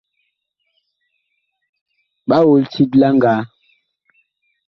Ɓa ol tit la ngaa.